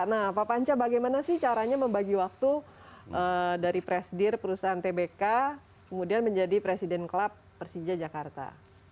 nah pak panca bagaimana sih caranya membagi waktu dari presidir perusahaan tbk kemudian menjadi presiden club persija jakarta